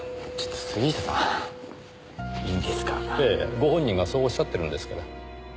ご本人がそうおっしゃってるんですから。